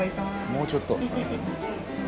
もうちょっと？